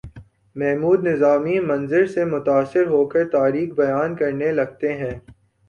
محمود نظامی منظر سے متاثر ہو کر تاریخ بیان کرنے لگتے ہیں